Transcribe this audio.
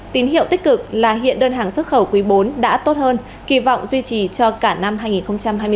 tín hiệu tích cực là hiện đơn hàng xuất khẩu quý bốn đã tốt hơn kỳ vọng duy trì cho cả năm hai nghìn hai mươi bốn